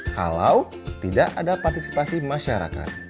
kalau tidak ada partisipasi masyarakat